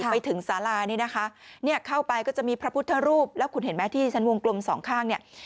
ไปถึงสารานี่นะคะเนี่ยเข้าไปก็จะมีพระพุทธรูปแล้วคุณเห็นไหมที่ฉันวงกลมสองข้างเนี่ย